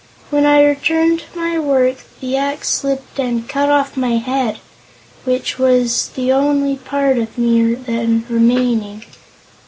When I returned to my work the axe slipped and cut off my head, which was the only meat part of me then remaining.